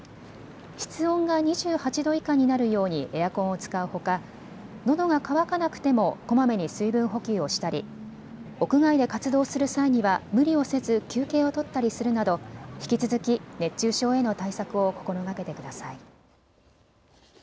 室温が２８度以下になるようにエアコンを使うほか、のどが渇かなくてもこまめに水分補給をしたり屋外で活動する際には無理をせず休憩を取ったりするなど引き続き熱中症への対策を心がけてください。